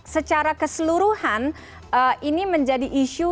secara keseluruhan ini menjadi isu